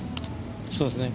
そうですね。